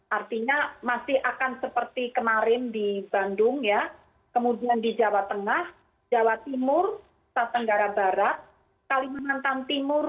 artinya masih akan seperti kemarin di bandung ya kemudian di jawa tengah jawa timur sa tenggara barat kalimantan timur